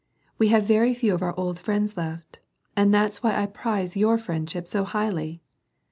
"We have very few of our old friends left. And that's why I prize your friendship so highly